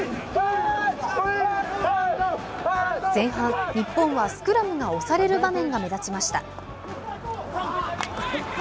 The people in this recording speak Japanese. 前半、日本はスクラムが押される場面が目立ちました。